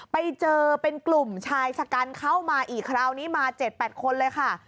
ไปเจอเป็นกลุ่มชายชะกันเข้ามาอีกคราวนี้มา๗๘คนเลยค่ะ